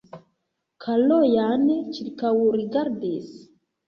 Kalojan ĉirkaŭrigardis.